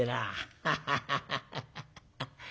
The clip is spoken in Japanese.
ハハハハハ。